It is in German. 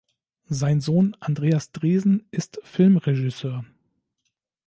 Sein Sohn Andreas Dresen ist Filmregisseur.